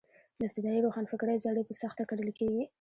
د ابتدايي روښانفکرۍ زړي په سخته کرل کېږي.